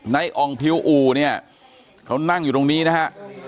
อ่องพิวอู่เนี่ยเขานั่งอยู่ตรงนี้นะฮะ